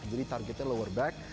jadi targetnya lower back